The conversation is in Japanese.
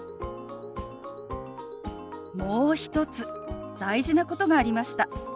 もう一つ大事なことがありました。